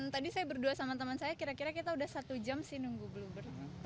tadi saya berdua sama teman saya kira kira kita sudah satu jam sih menunggu blue bird